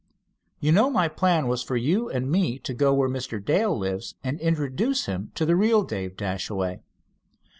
You know my plan was for you and me to go where Mr. Dale lives, and introduce him to the real Dave Dashaway.